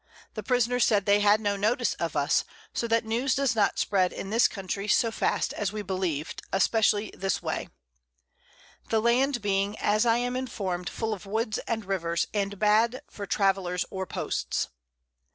The Prisoners said they had no Notice of us, so that News does not spread in this Country so fast as we believ'd, especially this Way; the Land being, as I am informed, full of Woods and Rivers, and bad for Travellers or Posts.